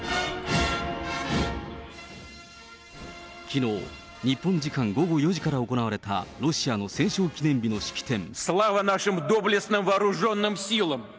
きのう、日本時間午後４時から行われたロシアの戦勝記念日の式典。